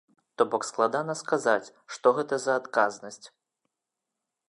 То бок, складана сказаць, што гэта за адказнасць.